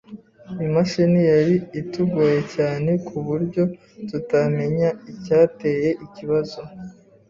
Imashini yari itugoye cyane kuburyo tutamenya icyateye ikibazo.